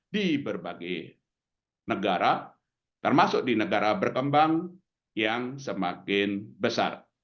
di berbagai negara termasuk di negara berkembang yang semakin besar